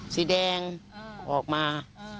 สีแดงออกมา